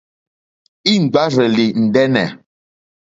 Íŋ!ɡbárzèlì ndɛ́nɛ̀.